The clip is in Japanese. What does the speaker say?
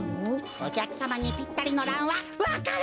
おきゃくさまにぴったりのランはわか蘭です！